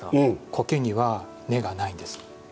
苔には根がないんです。